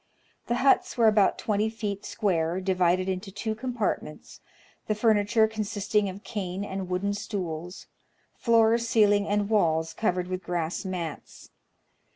The huts were about twenty feet square, divided into two compartments, the furniture consisting of cane and wooden stools ; floor, ceil ing, and walls covered with grass mats.